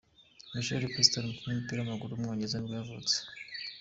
Michael Preston, umukinnyi w’umupira w’amaguru w’umwongereza nibwo yavutse.